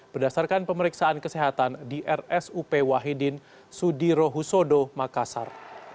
berdasarkan pemeriksaan kesehatan di rsup wahidin sudirohusodo makassar